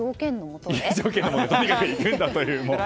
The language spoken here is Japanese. とにかく行くんだという。